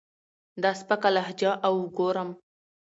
دا سپکه لهجه اوګورم